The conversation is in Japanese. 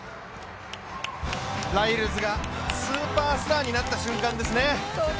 ライルズがスーパースターになった瞬間ですね。